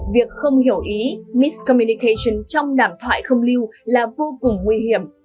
việc không hiểu ý miscommunication trong đảm thoại không lưu là vô cùng nguy hiểm